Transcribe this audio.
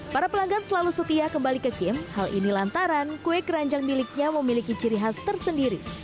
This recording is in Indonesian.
para pelanggan selalu setia kembali ke kim hal ini lantaran kue keranjang miliknya memiliki ciri khas tersendiri